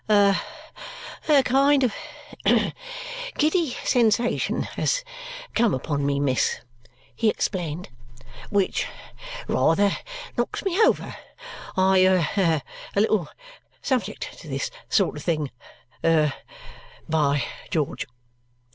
"A kind of giddy sensation has come upon me, miss," he explained, "which rather knocks me over. I er a little subject to this sort of thing er by George!"